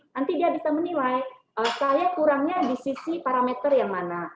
nanti dia bisa menilai saya kurangnya di sisi parameter yang mana